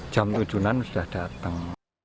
jam tujuan sudah datang